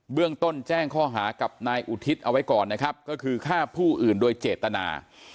เรื่องต้นแจ้งข้อหากับนายอุทิศเอาไว้ก่อนนะครับก็คือฆ่าผู้อื่นโดยเจตนา